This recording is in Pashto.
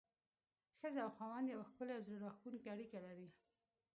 ښځه او خاوند يوه ښکلي او زړه راښکونکي اړيکه لري.